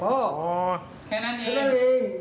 แค่นั้นเอง